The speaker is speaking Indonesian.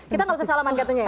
kita gak usah salaman katanya ya